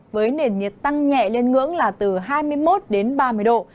với nền nhiệt tăng nhẹ lên ngưỡng là từ hai mươi một đến ba mươi độ